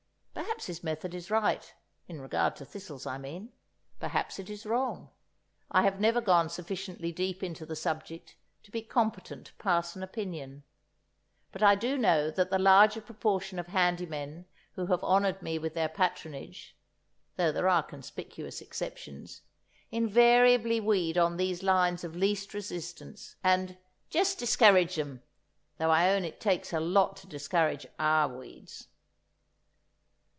Perhaps his method is right (in regard to thistles, I mean), perhaps it is wrong; I've never gone sufficiently deep into the subject to be competent to pass an opinion. But I do know that the larger proportion of handy men who have honoured me with their patronage (though there are conspicuous exceptions) invariably weed on these lines of least resistance, and "jest diskerridge 'em"—though I own it takes a lot to discourage our weeds!